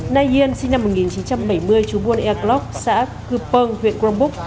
nay yen sinh năm một nghìn chín trăm bảy mươi trú buôn ergloc xã cư pơng huyện grombuch